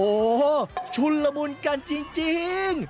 โอ้โหชุนละมุนกันจริง